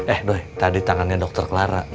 eh doh tadi tangannya dokter clara